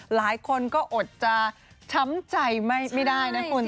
หลายคนก็อดจะช้ำใจไม่ได้นะคุณ